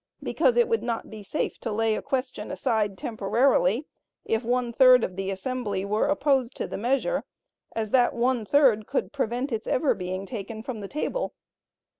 because it would not be safe to lay a question aside temporarily, if one third of the assembly were opposed to the measure, as that one third could prevent its ever being taken from the table.